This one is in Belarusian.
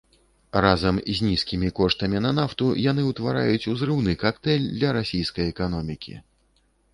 Разам з нізкімі коштамі на нафту яны ўтвараюць узрыўны кактэйль для расійскай эканомікі.